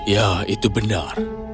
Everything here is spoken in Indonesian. ya itu benar